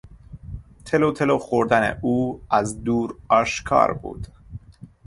تلوتلو خوردن او از دور آشکار بود.